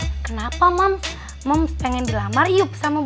kenapa moms moms pengen dilamar iup sama bule